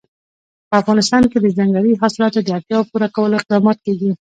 په افغانستان کې د ځنګلي حاصلاتو د اړتیاوو پوره کولو اقدامات کېږي.